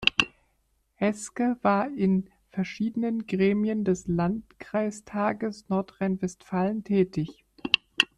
Eske war in verschiedenen Gremien des Landkreistages Nordrhein-Westfalen tätig.